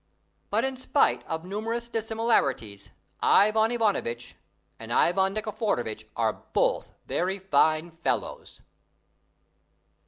But in spite of numerous dissimilarities, Ivan Ivanovitch and Ivan Nikiforovitch are both very fine fellows.